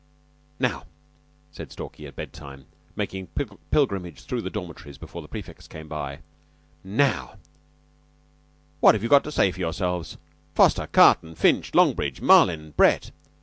"Now," said Stalky at bedtime, making pilgrimage through the dormitories before the prefects came by, "now what have you got to say for yourselves? Foster, Carton, Finch, Longbridge, Marlin, Brett!